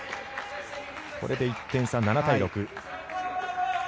これで１点差７対６。